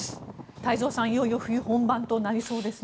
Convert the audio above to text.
太蔵さん、いよいよ冬本番となりそうですね。